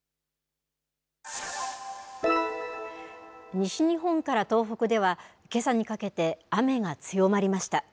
西日本から東北では、けさにかけて雨が強まりました。